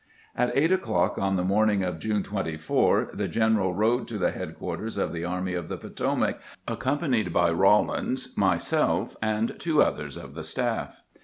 At eight o'clock on the morning of June 24 the gen eral rode to the headquarters of the Army of the Poto mac, accompanied by Eawlins, myself, and two others of the staff.